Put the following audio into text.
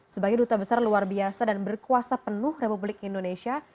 sebagai duta besar luar biasa dan berkuasa penuh republik indonesia